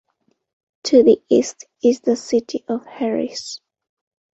To the east is the city of Harris.